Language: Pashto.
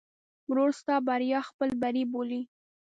ورور ستا بریا خپل بری بولي.